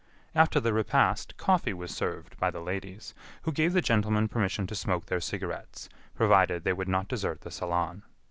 After the repast, coffee was served by the ladies, who gave the gentlemen permission to smoke their cigarettes, provided they would not desert the salon.